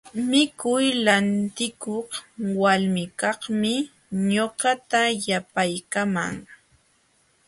Mikuy lantikuq walmikaqmi ñuqata yapaykaman.